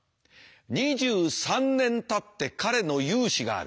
２３年たって彼の雄姿がある。